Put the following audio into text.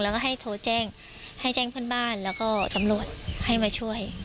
แล้วก็ให้โทรแจ้งให้แจ้งเพื่อนบ้านแล้วก็ตำรวจให้มาช่วย